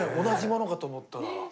同じものかと思ったら。